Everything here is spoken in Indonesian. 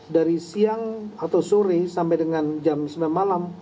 dari siang atau sore sampai dengan jam sembilan malam